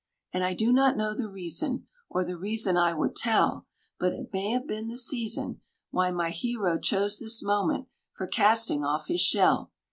And I do not know the reason Or the reason I would tell But it may have been the season Why my hero chose this moment for casting off his shell.